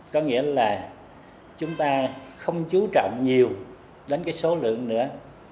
có nghĩa là chúng ta không chú trọng nhiều đến số lượng nữa